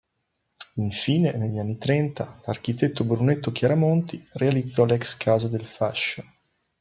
Infine negli anni Trenta l'architetto Brunetto Chiaramonti realizzò l'ex casa del Fascio.